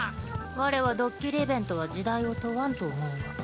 我はドッキリイベントは時代を問わんと思うが。